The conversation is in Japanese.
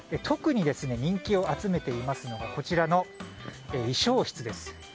特に人気を集めていますのがこちらの衣装室です。